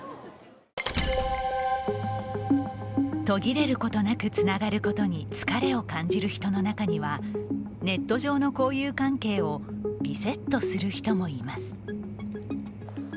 途切れることなくつながることに疲れを感じる人の中にはネット上の交友関係をリセットする人もいます。